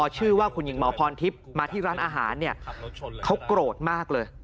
ชื่อว่าคุณหญิงหมอพรทิพย์มาที่ร้านอาหารเนี่ยเขาโกรธมากเลย